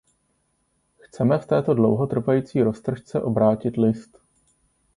Chceme v této dlouhotrvající roztržce obrátit list.